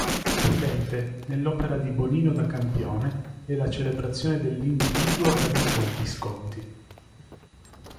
Potente, nell'opera di Bonino da Campione, è la celebrazione dell"'individuo" Bernabò Visconti.